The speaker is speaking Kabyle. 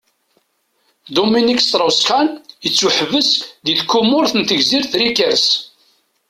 Dominique Strauss-Kahn yettuḥebbes di tkurmut n tegzirt Rikers.